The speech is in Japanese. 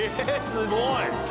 すごい！」